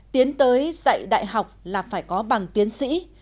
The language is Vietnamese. tiến tới dạy đại học là phải có bằng tiến sĩ